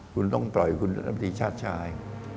คุณต้องปล่อยคุณลำตีชาติชาย